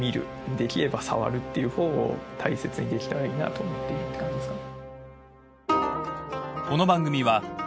できれば触るっていうほうを大切にできたらいいなと思っているっていう感じですかね。